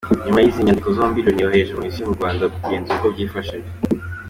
Nyuma y’izi nyandiko zombi, Loni yohereje Komisiyo mu Rwanda kugenzura uko byifashe.